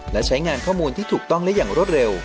และใช้งานข้อมูลที่ถูกต้องและอย่างรวดเร็ว